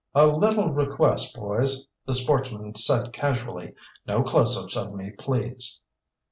"A little request, boys," the sportsman said casually. "No close ups of me, please."